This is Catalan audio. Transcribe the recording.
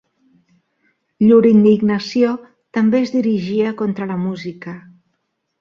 Llur indignació també es dirigia contra la música.